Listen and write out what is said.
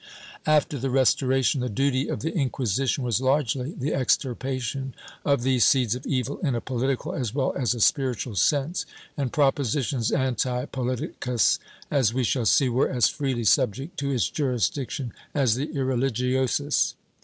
After the Ptestoration, the duty of the Inquisition was largely the extirpation of these seeds of evil in a political as well as a spiritual sense, and propositions antipoliticas, as we shall see, were as freely subject to its jurisdiction as the irreligiosas.